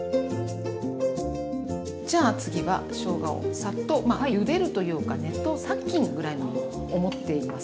じゃあ次はしょうがをサッとまあゆでるというか熱湯殺菌ぐらいに思っています。